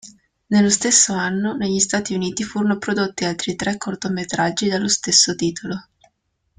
Nello stesso anno, negli Stati Uniti furono prodotti altri tre cortometraggi dallo stesso titolo.